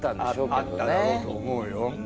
あっただろうと思うよ。